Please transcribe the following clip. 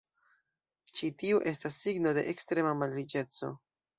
Ĉi tiu estas signo de ekstrema malriĉeco.